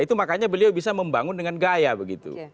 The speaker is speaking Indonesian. itu makanya beliau bisa membangun dengan gaya begitu